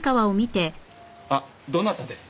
あっどなたで？